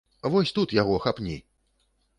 Вось тут яго хапні!